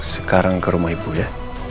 sekarang ke rumah ibu ya